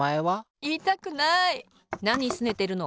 なにすねてるの？